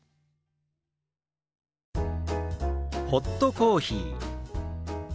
「ホットコーヒー」。